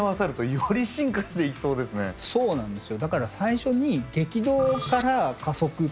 そうなんですよ。